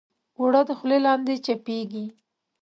اوړه د خولې لاندې چپېږي